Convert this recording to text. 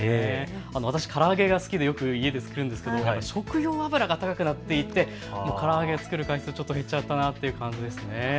私、から揚げが好きでよく家で作るんですけれども食用油が高くなっていてから揚げを作る回数減っちゃったっていう感じです。